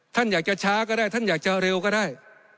ท่านอยากจะช้าก็ได้ท่านอยากจะเร็วก็ได้